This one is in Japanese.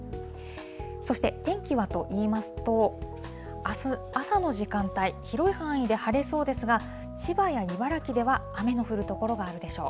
そして、天気はといいますと、あす、朝の時間帯、広い範囲で晴れそうですが、千葉や茨城では雨の降る所があるでしょう。